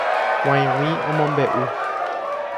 G̃uaig̃ui omombe'u.